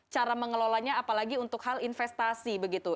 cara mengelolanya apalagi untuk hal investasi begitu